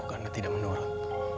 karena tidak menurut